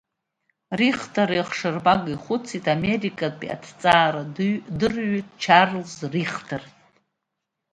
Рихтер еихшарбага ихәыцит Америкатә аҭҵаарадырҩы Чарлз Рихтер.